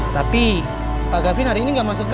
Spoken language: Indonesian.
tapi pak gavin hari ini gak masuk kantor